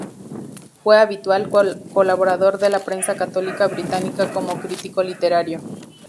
Fue habitual colaborador de la prensa católica británica como crítico literario.